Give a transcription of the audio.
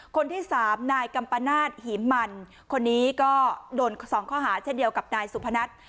คนที่สามนายกัมปนาศหิมมันคนนี้ก็โดน๒ข้อหาเช่นเดียวกับนายสุพนัท